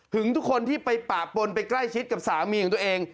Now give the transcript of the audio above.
ทุกคนที่ไปปะปนไปใกล้ชิดกับสามีของตัวเอง